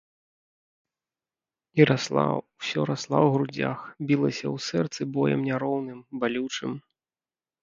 І расла, усё расла ў грудзях, білася ў сэрцы боем няроўным, балючым.